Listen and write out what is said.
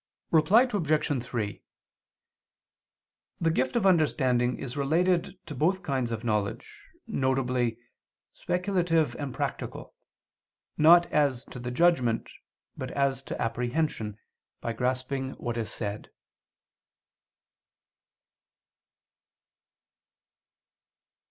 Reply Obj. 3: The gift of understanding is related to both kinds of knowledge, viz. speculative and practical, not as to the judgment, but as to apprehension, by grasping what is said.